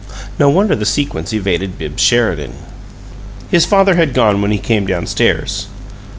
No wonder the sequence evaded Bibbs Sheridan! His father had gone when he came down stairs.